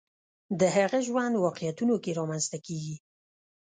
د هغه ژوند واقعیتونو کې رامنځته کېږي